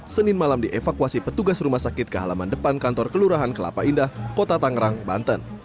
senin malam dievakuasi petugas rumah sakit ke halaman depan kantor kelurahan kelapa indah kota tangerang banten